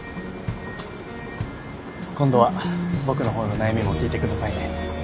今度は僕の方の悩みも聞いてくださいね。